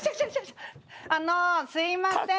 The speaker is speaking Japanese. ・あのすいません。